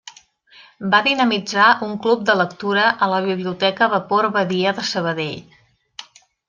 Va dinamitzar un club de lectura a la Biblioteca Vapor Badia de Sabadell.